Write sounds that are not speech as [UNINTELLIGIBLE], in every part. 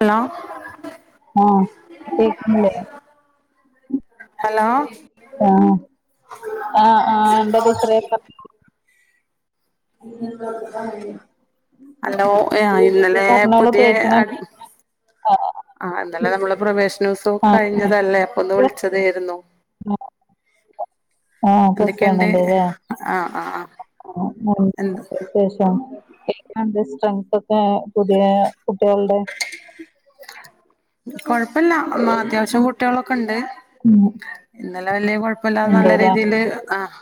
Hello ആഹ് കേക്ക്ണില്ലേ hello ആഹ് ആഹ് ആഹ് എന്ത ടീച്ചറെ ഹലോ ആഹ് ഇന്നലെ പറഞ്ഞോളൂ പുതിയ കേക്കണ് ആഹ് ഇന്നലെ നമ്മളെ പ്രവേശനോത്സവം കഴിഞ്ഞതല്ലേ അപ്പൊ ഒന്ന് വിളിച്ചതായിരുന്നു [UNINTELLIGIBLE] ത്യാവശ്യം എന്തൊക്കെയുണ്ട് ആ ആ ആ എന്ത് എങ്ങനണ്ട് സ്‌ട്രെങ്ത് ഒക്കെ പുതിയ കുട്ടികളുടെ കൊഴപ്പില്ല അത്യാവശ്യം കുട്ടികളൊക്കെ ഉണ്ട് ഉം ഇന്നലെ വലിയ കുഴപ്പില്ലാതെ നല്ല ഉണ്ട്ല്ലേ രീതിയില് ആഹ്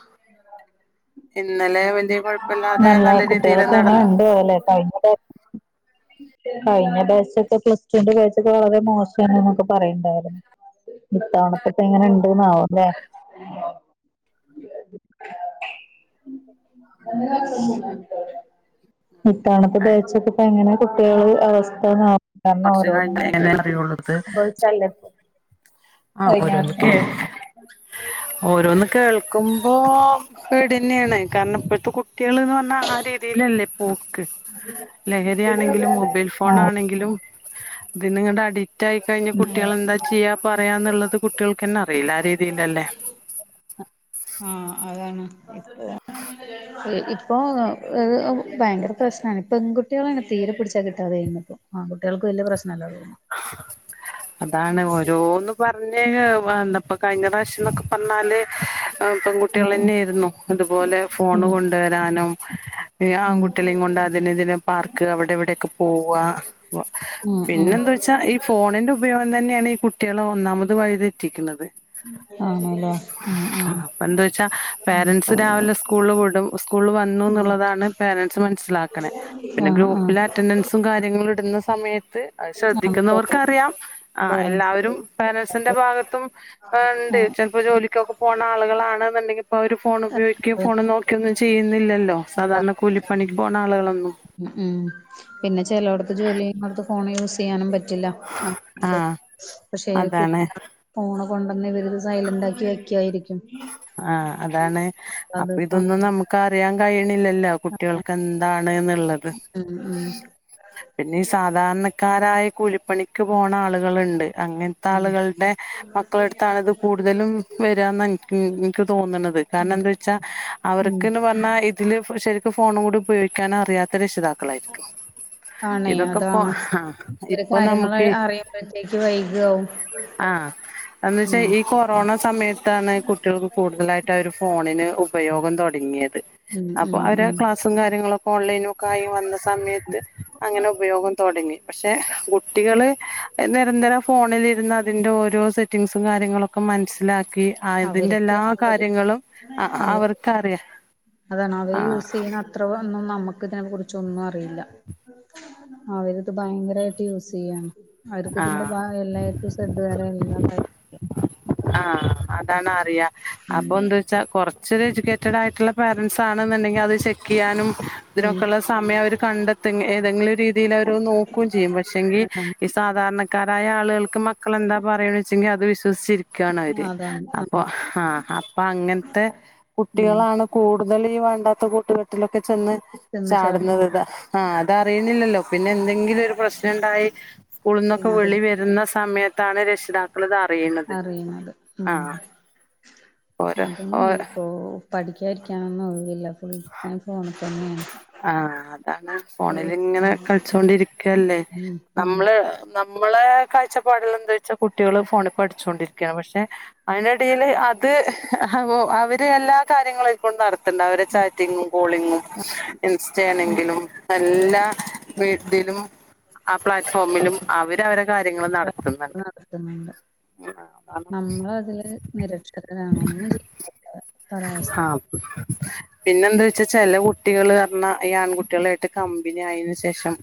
ഇന്നലെ വലിയ കുഴപ്പില്ലാതെ നല്ല രീതിയില് നടന്ന് [UNINTELLIGIBLE] കഴിഞ്ഞാ പ്രാവി കഴിഞ്ഞ ദിവസത്തെ പ്ലസ് ടു ന്റെ ബാച്ചൊക്കെ വളരെ മോശന്നൊക്കെ പറയണ്ടായിരുന്നു ഇത്തവണത്തെ എങ്ങനെ ഇണ്ട്ന്നാവുംല്ലേ? ഇത്തവണത്തെ ബാച്ചൊക്കെ. പ്പ എങ്ങനെ കുട്ടിള് അവസ്ഥന്നാവോ? കാരണം കുറച്ച് ഓരോ കഴിഞ്ഞേ ഇങ്ങനെ വരും അറിയുള്ളത് സംഭവിച്ചല്ല പ്പ ആഹ ഓരോന്ന്കേ ഹ് ഓരോന്ന് കേൾക്കുമ്പൊ പേടിന്നേ ണ് കാരണം ഇപ്പോഴത്തെ കുട്ടികൾന്ന് പറഞ്ഞ ന്നാ ആ റീതിലല്ലേ പോക്ക് ലഹ രിയാണെങ്കിലും മൊബെൽ ഫോൺ ആഹ് ആണെങ്കിലും ഇതി നിങ്ങട്ട അഡിക്റ്റ് ആയി കഴിഞ്ഞാൽ ഉം കുട്ടികളെന്താ ചെയ്യാ പറയാന്ള്ളത് കുട്ടികൾക്ക്ന്നെ അറിയില്ല ആ രീതിയിൽഅല്ലേ ആഹ അതാണ് [INAUDIBLE] ഇപ്പൊ ഭയങ്കര പ്രശ്നാണ് പെൺകുട്ടികളേണ് തീരെ പിടിച്ചാ കിട്ടാതെ വരുന്നപ്പോ അൺകുട്ട്യാക്ക് വല്ല്യ പ്രശ്നല്ല തോന്നുന്നു. അതാണ് ഓരോന്ന് പറ ന്നേ [UNINTELLIGIBLE] ന്തപ്പ കഴിഞ്ഞ പ്രാവശ്യം ന്നൊക്കെ പറഞ്ഞാല് ഉം പെൺകുട്ട്യാളെന്നേയ്ന്നു അതുപോലെ ഫോണ് ഉം കൊണ്ടുവരാനും ഉം ആൺകുട്ടളെയും കൊണ്ട് അതിനന് ഇതിനന് പാർക്ക് അവിടെ ഇവിടെൊക്കെ പോവാ ഉം ഉം പിന്നെന്താച്ചാ ഈ ഫോണിന്റെ ഉപയോഗം തന്നെയാണ് ഈ കുട്ട കുട്ടിളെ ഒന്നാമത് വഴിതെറ്റിക്കുന്നത്. ആണല്ലേ ഉം ഉം അപ്പന്താ വെച്ചാ പേരന്റ്സ് രാവിലെ സ്കൂളിൽ വിടും സ്കൂള് വ ഉം വന്നൂന്ന്ള്ളതാണ് പരൻസ് മനസ്സിലാക്ക്ണെ പിന്നെ ആഹ് ആഹ് ഗ്രൂപ്പില് അറ്റന്റൻസും കാര്യങ്ങളും ഇട്ന്ന സ സമയത്ത് അത് ശ്രദ്ധിക്കുന്നവർക്ക് അറിയാം ആഹ് എല്ലാവരും പേരൻസിന്റെ ഭാഗത്തും ഉണ്ട് ചിലപ്പോ ജോലി ക്കൊക്കെ പോണ ആളുകളാണെന്നുണ്ടെങ്കി ഇപ്പോ അവര് ഫോൺ ഉപയോഗിക്ക ഫോൺ നോക്കൊന്നും ചെയ്യുന്നില്ലല്ലോ? സാധാരണ കൂലിപ്പണിക്ക് ഉം പോണ ആളുകളൊന്നും. ഉം ഉം പിന്നെ ചെളോട്ത് ജോലി ചെയ്യുന്നട്ത്ത് ഫോൺ യൂസ് ചെയ്യാനും പറ്റി റ്റില്ല അ ണ്ട് ആഹ് പക്ഷേ കു ട് അതാണ് ഫോണ് കൊണ്ടന്നിവരിത് സൈലന്റാക്കി വെക്കായിരിക്കും. ആഹ് അതാണ് അപ്പൊ അതിപ്പോ ഇതൊന്നും നമുക്ക് അറിയാൻ കഴിയണില്ലല്ലോ? കുട്ടികൾക്ക് എന്താണ്ന്നുള്ളത്. ഉം ഉം പിന്നെ ഈ സാധാരണക്കാരായ കൂലിപ്പണിക്ക് പോണ ആളുകളുണ്ട്. അങ്ങൻത്തെ ഉം ആളുകളുടെ മക്കളടുത്താണ്ത് കൂടുതലും വരാന്ന്. ഇൻ ഇൻക്ക് തോന്ന്ണത് കാരണം ആഹ് ന്താവച്ചാ ഉം അവർക്ക്ന്ന് പറഞ്ഞാ തില് ശരിക്ക് ഫോണും കൂടി ഉപയോഗിക്കാനും അറിയാത്ത രക്ഷിതാക്കളായിരിക്കും. ആണേ ഇതൊക്കെ ഇപ്പോ അതാണ് ആ ഒരു ഇപ്പൊ കാര്യങ്ങൾ നമുക്ക് അറിയുമ്പോഴത്തേക്ക് വൈകാവും. ആഹ് എന്ന വെച്ചാ ഉം ഈ കൊ റോണ സമയത്താണ് കുട്ടികൾക്ക് കൂടുതലായിട്ട് ആ ഒരു ഫോണിന് ഉപയോഗം തുടങ്ങിയത് ഉം അപ്പൊ ഉം അവര് ഉം ക്ലാസ്സും കാര്യങ്ങളൊക്കെ ഓൺലൈനു ഒക്കെ ആയി വന്ന സമയത്ത് അങ്ങനെ ഉപയോഗം തൊടങ്ങി പക്ഷേ കുട്ടികള് നിരന്തരം ഫോണിലിരുന്നതിന്റെ ഓരോ സെറ്റിംഗസും കാര്യങ്ങളൊക്കെ മൻസ്സിലാക്കി ആ അതിന്റെ അവർക്ക് എല്ലാ അവര് കാര്യങ്ങളും ആ അതെ അവർക്ക് അറിയാ അതാണ് അവര് ആഹ് യൂസ് ചെയ്യുന്ന അത്ര ഒന്നും നമുക്ക് ഇതിനെ കുറിച്ച് ഒന്നും അറിയില്ല. അവരിത് ഭയങ്കരായിട്ട് യൂസ് ചെയ്യാണ്. അവർക്ക് ഇതിന്റെ ആഹ് ഭാ എല്ലാ ഏറ്റു സറ്റ് വരെ എല്ലാ ആഹ് അതാണ് അറിയാ അപ്പൊ എന്താ വെച്ചാ കൊറച്ചൊരു എജ്യൂകെ റ്റടായിട്ടുള്ള പേരന്റ്സാണ്ന്നുണ്ടെങ്കി അത് ചെക്ക് ചെയ്യാനും ഉം ഇതിനൊക്കെയള്ള സമയം അവര് കണ്ട ത്തും ഏതെങ്കിലും രീതിയിലവര് നോക്കും ചെയ്യും പക്ഷേങ്കി ഉം ഈ സാ ധാരണക്കാരായ ആളുകൾക്ക് മക്കളെന്താ പറയണച്ചെങ്കി അത് വിശ്വസിച്ചിരിക്കാണ് അവര്. അതാണ് അപ്പൊ അതാണ് ഹാ അപ്പൊ അങ്ങൻത്തെ ഉം കുട്ടികളാണ് കൂടുതൽ ഈ വേണ്ടാത്ത കൂട്ടുകെട്ടിലൊക്കെ ചെന്ന് ചെന്ന് ചാടുന്നത് ചാടുന്ന ഇത ആഹ് അതറിയുന്നില്ലല്ലോ പിന്നെ എന്തെങ്കിലും ഒരു പ്രശ്നണ്ടായി സ്കൂളിന്നൊക്കെ പിന്നെ അതിൽ വിളി വ രുന്ന സമയത്താണ് രക്ഷിതാക്കൾ ത് അറിയുന്നത് ന്നത് ഉം ഓരോ ഓ അതന്നേണിപ്പോ പഠിക്കാ ഇരിക്കാനൊന്നും ഒഴിവില്ല ഫുൾ ടൈം ഫോൺ തന്നെയാണ് ആഹ് അതാണ് ഫുൾ ഫോണിലിങ്ങനെ ടൈം കളിച്ചോണ്ടിരിക്കല്ലേ ഉം ഉം നമ്മള് നമ്മളെ കാഴ്ചപ്പാട്ല് എന്താ വെച്ചാ കുട്ടികള് ഫോണിൽ പഠിച്ചുകൊണ്ടിരിക്കണ് പക്ഷേ അയിന്റെടീല് അത് അ അവര് എല്ലാ കാര്യങ്ങളും പ്പളും നടത്ത്ണ്ട് അവരെ ചാറ്റിങ്ങും കോളിങ്ങും ഇൻസ്റ്റ ആണെങ്കിലും എല്ലാ വീ തിലും ആ പ്ലാറ്റ്ഫോമിലും അവര് അവരെ കാര്യങ്ങള് നടത്തുന്നുണ്ട് നടത്തുന്നുണ്ട് നമ്മളതില് നിരക്ഷരരാണ ഒന്നും ചെയ്യില്ല ആഹ് പിന്നെ എന്താ വെച്ചാ ചില കുട്ടികള് ർഞ്ഞ ഈ ആൺകുട്ടികള് റ്റ് കമ്പനി ആയതിന് ശേഷം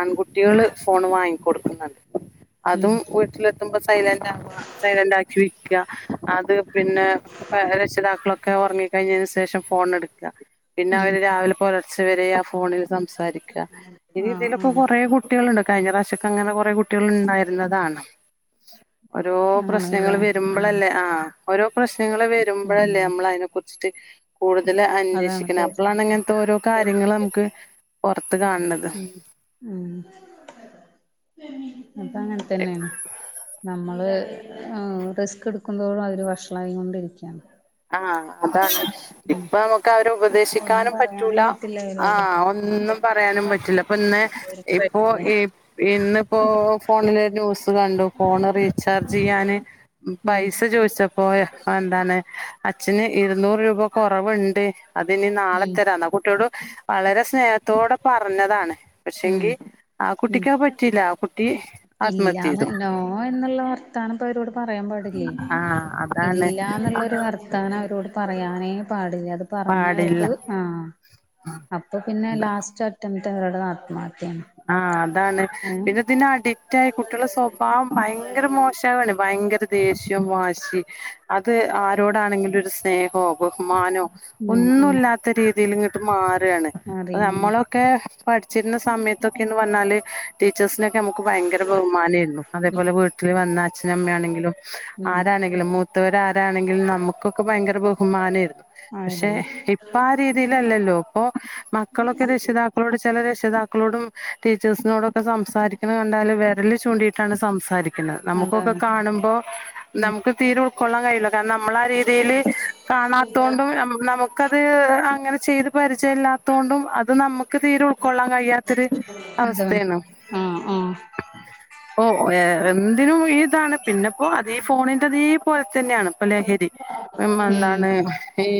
ആൺകുട്ടികള് ഫോണ് വാങ്ങി ക്കൊടുക്കുന്നുണ്ട് അതും ഉം വീട്ടിലെത്തുമ്പോ സൈലന്റ് ആവാ സൈലന്റ് ആക്കി വെക്കാ അത് പിന്നെ രക്ഷിതാക്കളൊക്കെ ഒറങ്ങി കഴിഞ്ഞതിന് ശേഷം ഫോൺ എടുക്ക പിന്നെ ഉം അവര് രാവിലെ പുലർച്ച വരെ ആ ഫോണിൽ സംസാരിക്ക ഈ ആഹ് രീതിയിലൊക്കെ ആഹ് കുറെേ കുട്ടിയാള്ണ്ട് കഴിഞ്ഞറാശ്യക്കെ അങ്ങനെ കുറെ കുട്ടിയാൾ ഇണ്ടായിരുന്നതാണ് ഓരോ പ്രശ്നങ്ങൾ ആണല്ലേ ഉം വരുമ്പോഴല്ലേ ആ ഓരോ പ്രശ്നങ്ങൾ വരുമ്പോഴല്ലേ ഉം നമ്മൾ അതിനെ കു ച്ചിട്ട് കൂടുതൽ അതാണ് അന്വേഷിക്ക്ണെ തീർ- അപ്പോളാണ്ങ്ങനെ ഓരോ കാര്യങ്ങൾ നമുക്ക് തീർച്ചയായിട്ടും. പുറത്ത് കാണ് ണത് ഉം ഉം അതങ്ങനെ തന്നെണ് നമ്മള് ആഹ് റിസ്ക് എടുക്കുതോറും അതില് വഷളായി കൊണ്ടിരിക്കയാ ആഹ് അതാണ് ഇപ്പൊ നമുക്ക് അവരെ ഒന്നും ഉപദേശിക്കാനും പറയാനും പറ്റൂല പറ്റില്ല അവരോട് ആഹ് ഒന്നും തെറ്റാണെന്ന് പറയാനും പറഞ്ഞ പറ്റൂല്ല ഇപ്പ ന്ന് ഓര്ക്ക് ഇപ്പോ പറ്റില്ലേ ഇ ഇന്നിപ്പോ ഫോണില് ന്യൂസ് കണ്ടു ഫോണ് റീചാർജ് ചെയ്യാന് ഉം പൈസ ചോദിച്ചപ്പോ എന്താണ് അച്ഛന് ഇരുന്നൂറ് രൂപ കൊറവുണ്ട് അത്ഇനി നാളെ ഉം തരാ ന്ന കുട്ടിയളൊട് വളരെ സ്നേഹത്തോടെ പറഞ്ഞതാണ് ഉം പക്ഷെങ്കി ആ ഉം കുട്ടിക്ക് അത് പറ്റില്ല ആ കുട്ടി ആത്മഹത്യ ഇല്ലാന്ന് ചെയ്തു നോ എന്നുള്ള വർതാനം പ്പൊ അവരോട് പറയാൻ പാടി ല്ലെ ആ അതാണ് ഇല്ല ന്നുള്ളൊരു വർത്താനം അവരോട് പറയാനേ പാടില്ലത് പറഞ്ഞ പാടില്ല അവർക്ക് ആഹ് അപ്പൊ പിന്നെ അതാ ലാസ്റ്റ് അറ്റംപ്റ്റ് അവരട ആത്മഹത്യാണ് ആഹ് ആണ് പിന്നെ ഇതിന് അഡിക്റ്റയി കുട്ടിയളുടെ സ്വഭാവം ഭയങ്കര മോശവാണ് ഭയങ്കര ദേഷ്യം വാശി അത് ആരോടാണെങ്കിലും ഒരു സ്നേഹോ ബഹുമാനോ ഉം ഉം ഒന്നുമല്ലാത്ത രീതിൽ ഇങ്ങട്ട് മാറാണ് അറിയുന്നു നമ്മളൊക്കെ പഠിച്ചിരുന്ന സമയത്തൊക്കെന്ന് പറഞ്ഞാല് ടീച്ചേഴ്സിനൊക്കെ നമുക്ക് ഭയങ്കര ബഹുമാനയിന്നു ഉം അതേപോലെ വീട്ടിൽ വന്ന അച്ഛനമ്മയാണെങ്കിലും ഉം ആരാണെങ്കിലും മൂത്തവർ ആരാണെങ്കിലും നമുക്കൊക്കെ ഭയങ്കര ബഹുമാനേയിരുന്നു പക്ഷെ ആയിരുന്നു ഇ പ്പ ആ രീതിയിലല്ലല്ലോ പ്പോ മക്കളൊക്കെ രക്ഷിതാക്കളോട് ചില രക്ഷിതാക്കളോടും ടീച്ചേഴ്സിനോടൊക്കെ സംസാരിക്ക്ണ്കണ്ടാല് വെരല് ചൂണ്ടീയിട്ടാണ് സംസാരി,, ണ് നമുക്കൊക്കെ അതാണ് കാണുമ്പോ ഉം നമുക്ക് തീരെ ഉൾക്കൊള്ളാൻ കഴില്ല കാരണം നമ്മള ആ രീതിൽ കാണാത്തൊണ്ടും നമ നമുക്ക് അത് അങ്ങനെ ചെയ്ത് പരിചയല്ലതൊണ്ടും അത് നമ്മുക്ക് തീരെ ഉൾക്കൊള്ളാം കഴിയാത്തരു,, ഹലോ ആഹ് ആഹ് ഓ എ എന്തിനും ഇതാണ് പിന്നെപ്പോ അതീ ഫോണിൻ്റെ,, പോലെ തന്നെയാണ് ഇപ്പോ ലഹരി ഉം എന്താണ് ഈ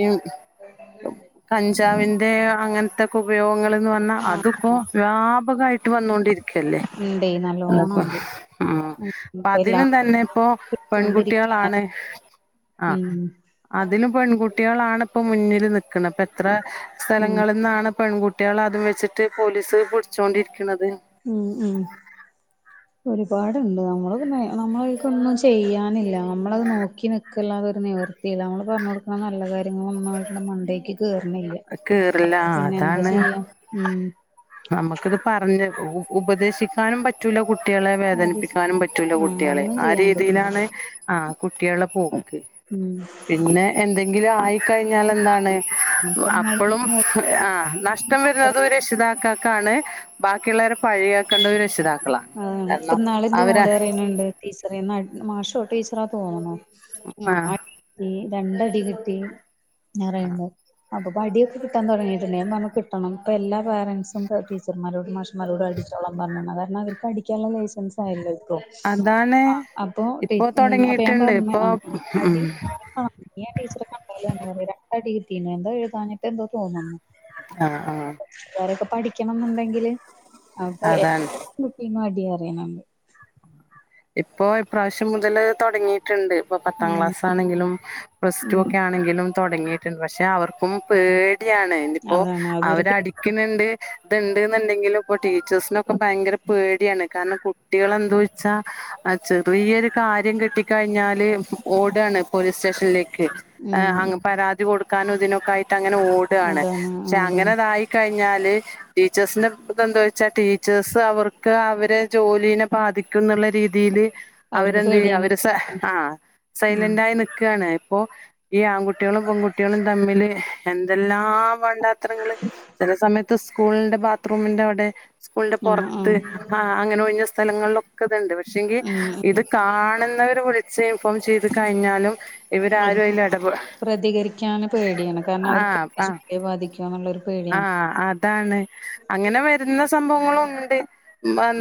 കഞ്ചാവിന്റെ അങ്ങനത്തൊക്കെ ഉപയോഗങ്ങള് ന്ന് പറഞ്ഞാ അതിപ്പോ ആഹ് ലാ ട്ട് വന്നൊണ്ടിരിക്കല്ലേ ഇണ്ടേ നല്ലോണം ഉണ്ട് ഉം ഇപ്പ പതിലൊ തന്നെ എല്ലാടത്തും ഇപ്പോ പിടിച്ചോണ്ടിരിക്കാണ് പെൺകുട്ടികളാണ് ആഹ് ഉം അതിലും പെൺകുട്ടികളാണ് ഇപ്പ മുന്നിൽ നക്കുന്നത് ഇപ്പ എത്ര ഉം സ്ഥലങ്ങളിൽന്നാണ് പെൺകുട്ടികൾ അതും വെച്ചിട്ട് പോലീസ് പിടിച്ചോണ്ടിരിക്കണുന്നത് ഉം ആഹ [INAUDIBLE] ഒരുപാടുണ്ട് നമ്മളന്ന നമ്മളക്കൊന്നും ചെയ്യാനില്ല നമ്മളത് നോക്കി നിൽക്കില്ലാതൊരു നേവർ ലീലമോൾ പറഞ്ഞു കൊടുക്ക നല്ല കാര്യങ്ങളൊന്നും ആവരെടെ മണ്ടേക്ക് കേറണി ല്ല കേറില്ലാ ആ അതാണ് ഉം നമുക്കിത് പറഞ്ഞ ഉ ഉപദേശിക്കാനും പറ്റും മറ്റുള്ള കുട്ടികളെ വേദനിപ്പിക്കാനും പറ്റുള്ള ആഹ് കുട്ടികളെ ഒന്നും ആ ചെയ്യാൻ പറ്റൂല രീതിയിലാണ് ആ കുട്ട്യാളെ പോക്ക് ഉം പിന്നെ എന്തെങ്കിലും ആയിക്കയ്ഞ്ഞാലെന്താണ് അപ്പളും ആ നഷ്ടം വെര്ന്നതും രക്ഷിതാക്കക്കാണ് ബാക്കിള്ളോരെ പഴിയാക്കേണ്ടത് രക്ഷിതാക്കളാ കാരണം അവര് ടീച്ചറേന്ന് അട് മാഷോ ടീച്ചറാ തോന്നുണു ഉം ആ അട് ഈ രണ്ടടി കിട്ടി ന്നറയ്ണ്ട് അപ്പൊപ്പടിയൊക്കെ കിട്ടാൻ തൊടങ്ങിട്ട്ണ്ട് ഞാൻ പർഞ്ഞു കിട്ടണം പ്പൊ എല്ലാ പാരന്റ്സും ടീച്ചർമാരോടും മാഷ്മാരോടും അടിച്ച് ച്ചോളാ പർഞ്ഞു കാരണം അവർക്ക് അടിക്കാന്ള്ള ലൈസൻസ് യല്ലോ ക്കും അതാണ് അപ്പൊ പി ഇപ്പൊ അപ്പൊ ഞാൻ തുടങ്ങിയിട്ടുണ്ട് പർഞ്ഞു ഇപ്പൊ ആ ഉം അടി അന്ന് ഞാൻ ടീച്ചറെ കണ്ടീലർഞ്ഞു ന്നോട് രണ്ടടി കിട്ടീ എന്തോ എഴുതാഞ്ഞിട്ടെന്തോ തോന്നുന്നു ആ ആ ള്ളാരൊക്കെ പഠിക്കണംന്ന്ണ്ടെങ്കില് അപ്പൊ അതാണ് [UNINTELLIGIBLE] അടി റ്യ്ണ് ണ്ട് ഇപ്പോ ഇപ്രാശ്യം മുതല് തൊടങ്ങിട്ട്ണ്ട് ഇപ്പ പത്താം ഉം ക്ലാസ്സാണെങ്കിലും പ്ലസ് ടു ഉം ഒക്കെ ആണെങ്കിലും തൊടങ്ങി റ്റ്ണ്ട് പക്ഷെ അവർക്കും പേടിയാണ് ന്ന്പ്പോ അതാണ് അവര് അവരടി ക്ക്ണ് ണ്ട് ഇത്ണ്ട് ന്ന്ണ്ടെങ്കിലും ഇപ്പോ ടീച്ചേഴ്സിനൊക്കെ ഭയങ്കര പേടിയാണ് കാരണം കു ട്ട്യാളെന്തോയ്ച്ചാ ആ ചെറിയൊരു കാര്യം കിട്ടി കഴിഞ്ഞാല് ഓടാണ് പോലീസ് സ്റ്റേഷനിലേക്ക് ഉം ആ ഉം അങ്ങ് പരാതി കൊടുക്കാനും ഇതിനൊക്കായിട്ട് അങ്ങനെ ഓടാണ് അതാണ് പക്ഷെ അതാണ് അങ്ങനെതായി ക്കയ്ഞ്ഞാല് ടീച്ചേഴ്സിന്റെ തെന്തോയ്ച്ചാ ടീച്ചേഴ്സ് അവർക്ക് അവരെ ജോലീനെ ബാധിക്കുന്നുള്ളെത് രീതീല് അവർക്ക് അവരെന്തെയ്യ പേടിയാണ് അവര് സെ ആ ഉം സൈലന്റായി നിക്കാണ് ഇപ്പൊ ഈ ആൺകുട്ട്യാളും പെൺകുട്ട്യാളും തമ്മില് എന്തെല്ലാ വാണ്ടാത്തരങ്ങള് ചെല സമയത്ത് സ്കൂളിന്റെ ബാത്റൂമിന്റവടെ സ്കൂളിന്റെ ആഹ് പൊർത്ത് ആഹ് ആ അങ്ങനെ ഒയ്ഞ്ഞ സ്ഥലങ്ങളിലൊക്കെത്ണ്ട് പക്ഷെങ്കി ഉം ഇത് ഉം കാണുന്നവര് വിൾച്ച് ഫോം ചെയ്ത് കയ്ഞ്ഞാലും ഇവരാരും അവർക്ക് അയ്ല് എടപെ പ്രതികരിക്കാന് പേടിയാണ് കാരണം അവർക്ക് [UNINTELLIGIBLE] ബാധിക്കോന്നുള്ളൊരു പേടിയാണ് ആ അതാണ് അങ്ങനെ വര്ന്ന സംഭവങ്ങളുണ്ട്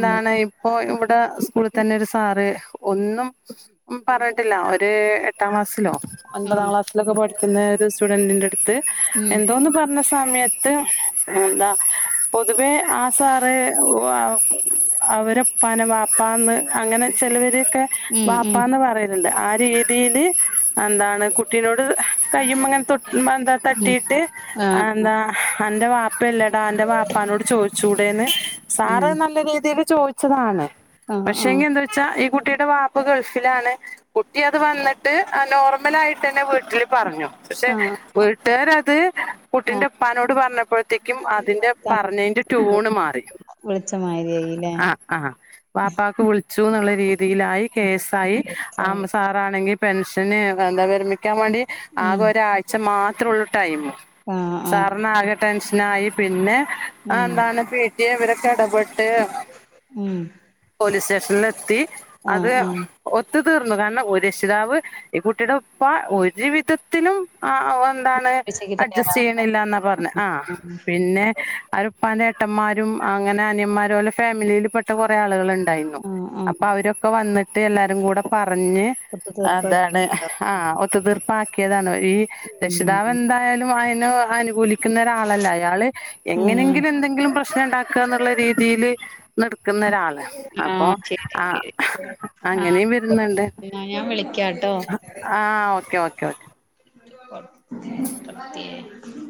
ഉം പ്പൊ ഇവടെ സ്കൂള് ത്തെന്നെ ഒരു സാറ് ഒന്നും ഉം പർഞ്ട്ടില്ല ഒരു എട്ടാം ക്ലാസ്സിലോ ഒൻപതാം ക്ലാസ്സിലൊക്കെ പഠിക്കുന്ന ഒരു സ്റ്റുഡന്റിന്റെട്ത്ത് ഉം എന്തോന്ന് പറഞ്ഞ സമയത്ത് എന്താ പൊതുവേ ആ സാറ് അവരെപ്പാനെ വാപ്പാന്ന് അങ്ങനെ ചെലവരൊക്കെ ഉം ഉം ഉം വാപ്പാന്ന് പറയ ണ്ട് ആ രീതില് എന്താണ് കുട്ടിനോട് കയ്യുമങ്ങൻ തൊട്ട് മെന്ത തട്ടിട്ട് ആഹ് എന്താ അന്റെ വാപ്പല്ലടാ അന്റെ വാപ്പാനോട് ചോയ്ച്ചൂടെന്ന് ഉം സാറ് നല്ല രീതില് ചോയ് ച്ചതാണ് ആഹ് ആഹ് പക്ഷെങ്കി ന്താ വെച്ചാ ഈ കുട്ടിടെ വാ പ്പ ഗൾഫിലാണ് കുട്ടി അത് വന്ന്ട്ട് നോർമലായിട്ടെന്നെ വീട്ടില് പറഞ്ഞു പക്ഷെ വീട്ട്കാരത് ആഹ് കുട്ടിന്റെപ്പാനോട് പറഞ്ഞപ്പോഴത്തേക്കും അതിന്റെ പറഞ്ഞേന്റെ ട്യൂണ് മാറി വിളിച്ചമാരിയായില്ലേ ആ വാപ്പാക്ക് വിളിച്ചു ന്നുള്ള രീതിലായി കേസായി ആ കേസായി സാ റാണെങ്കി പെൻഷന് എന്താ വിരമിക്കാൻ വാണ്ടി ഉം ആകൊരാഴ്ച മാത്രോള്ളു ടൈമ് ആഹ് ആഹ് സാറിനാകെ ടെൻഷനായി പിന്നെ ഉം അതെന്താണ് പി ടി എ ഇവരൊക്കെ എടപെട്ട് ഉം പോലീസ് സ്റ്റേഷനിലെത്തി ആഹ് അത് ആഹ് ഒത്തു തീർന്ന് കാരണം ഒരെക്ഷിതാവ് ഈ കുട്ടിടെ പ്പ ഒരു വിധത്തിലും ആ എന്താണ് പരീക്ഷക്ക് അഡ്ജസ്റ്റ് തയ്യാറാവണ്ട ചെയ്യ്ണില്ലാന്നാ പറഞ്ഞെ ആഹ് പിന്നെ അവരെ ഇപ്പാന്റെ ഏട്ടന്മാരും അങ്ങനെ അനിയന്മാരും ഓലെ ഫാമിലിയില് പെട്ട കൊറേ ആളുകള് ണ്ടായിന്നു ആഹ് ആഹ് അപ്പൊ അവരൊക്കെ വന്നിട്ട് എല്ലാരും കൂടെ പറഞ്ഞ് ഒക്കെ അതാണ് തീർപ്പാക്കിട്ടുണ്ടാവും ആഹ് ഒത്തുതീർപ്പാക്കിയതാണ് ഈ രക്ഷിതാവ് എന്തായാലും അയിന് അനു കൂലിക്കുന്നോരാളല്ല അയാള് ഉം എങ്ങനെങ്കിലും എന്തെങ്കിലും പ്രശ്നണ്ടാക്കാന്ന്ള്ള രീ തീല് നിട്ക്കുന്നോരാൾ ണ് അപ്പൊ ആഹ് ശരി ആഹ് ശരി അങ്ങനേം വര്ന്ന്ണ്ട് എന്നാ ഞാൻ വിളിക്കാട്ടോ ആഹ് ഓക്കെ ഓക്കെ ഓക് [UNINTELLIGIBLE]